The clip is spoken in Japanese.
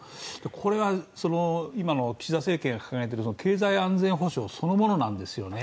これは今の岸田政権が掲げている経済安全保障そのものなんですね。